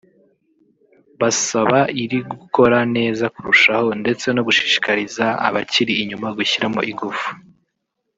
basaba iri gukora neza kurushaho ndetse no gushishikariza abakiri inyuma gushyiramo ingufu